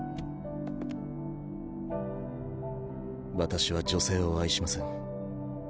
私は女性を愛しません。